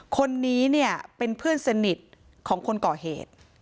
คนนี้เนี่ยเป็นเพื่อนสนิทของคนก่อเหตุ